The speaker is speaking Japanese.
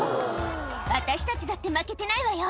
「私たちだって負けてないわよ」